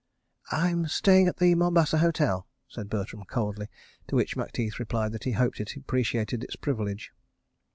"I am staying at the Mombasa Hotel," said Bertram coldly, to which Macteith replied that he hoped it appreciated its privilege.